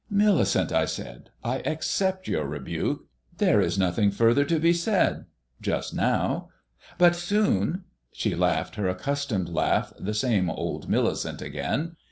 "Millicent," I said, "I accept your rebuke. There is nothing further to be said just now; but soon " She laughed her accustomed laugh, the same old Millicent again.